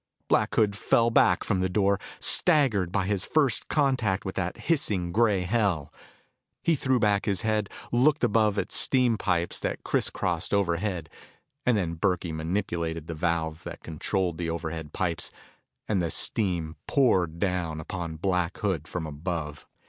Black Hood fell back from the door, staggered by his first contact with that hissing gray hell. He threw back his head, looked above at steam pipes that criss crossed overhead. And then Burkey manipulated the valve that controled the overhead pipes, and the steam poured down upon Black Hood from above.